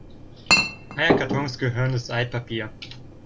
Eierkartons gehören ins Altpapier.